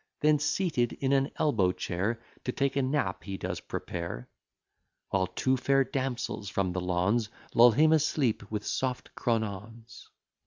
Then seated in an elbow chair, To take a nap he does prepare; While two fair damsels from the lawns, Lull him asleep with soft cronawns.